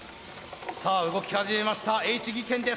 さあ動き始めましたＨ技研です。